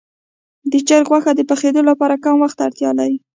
د چرګ غوښه د پخېدو لپاره کم وخت ته اړتیا لري.